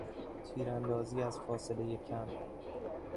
تیراندازی از فاصلهی کم